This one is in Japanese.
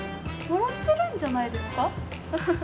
笑っているんじゃないですか？